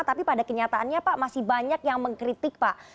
tapi pada kenyataannya pak masih banyak yang mengkritik pak